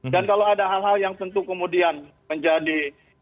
dan kalau ada hal hal yang tentu kemudian menjadi